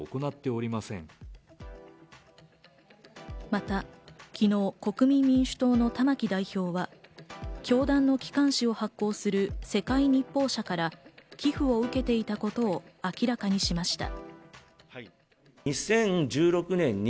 また昨日、国民民主党の玉木代表は、教団の機関紙を発行する世界日報社から寄付を受けていたことを明らかにしました。